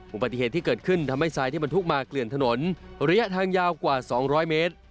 อุบัติเหตุที่เกิดขึ้นทำให้ทรายที่บรรทุกมาเกลื่อนถนนระยะทางยาวกว่า๒๐๐เมตร